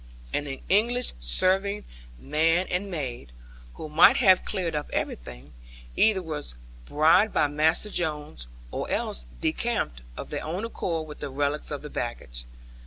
And the English serving man and maid, who might have cleared up everything, either were bribed by Master Jones, or else decamped of their own accord with the relics of the baggage.